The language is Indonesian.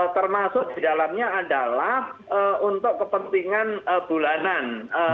termasuk di dalamnya adalah untuk kepentingan bulanan